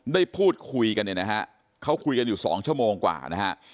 ได้พูดคุยกันเนี่ยนะฮะเขาคุยกันอยู่๒ชั่วโมงกว่านะฮะ